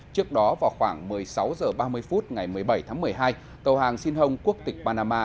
trước đó vào khoảng một mươi sáu h ba mươi phút ngày một mươi bảy tháng một mươi hai tàu hàng xin hông quốc tịch panama